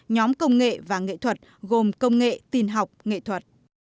nhóm công nghệ và nghệ thuật gồm công nghệ tin học nghệ thuật